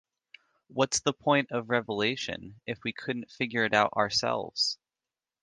What's the point of revelation if we could figure it out ourselves?